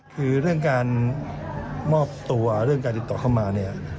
คือเรื่องการมอบตัวเรื่องการติดต่อเข้ามาเนี่ย